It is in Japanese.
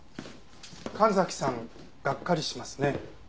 神崎さんがっかりしますね。